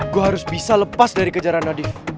gue harus bisa lepas dari kejaran nadie